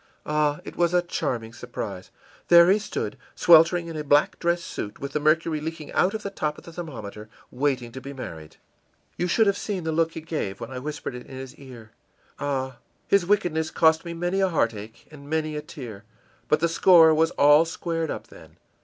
Ah, it was a charming surprise! There he stood, sweltering in a black dress suit, with the mercury leaking out of the top of the thermometer, waiting to be married. You should have seen the look he gave when I whispered it in his ear. Ah, his wickedness cost me many a heartache and many a tear, but the score was all squared up, then.